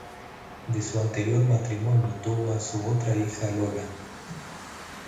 De su anterior matrimonio tuvo a su otra hija Lola.